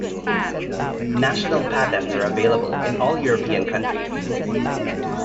National patents are available in all European countries.